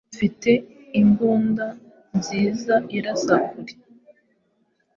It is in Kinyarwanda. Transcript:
Mfite imbunda nziza irasa kure